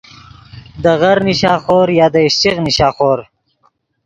دے غر نیشا خور یا دے اِشچیغ نیشا خور